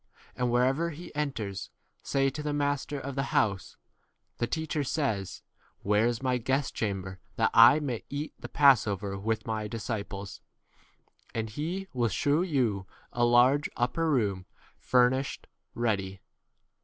And wher ever he enters, say to the master of the house, The teacher says, Where is myi guest chamber that I may eat the passover with my 15 disciples ? and he will shew you a large upper room furnished ready.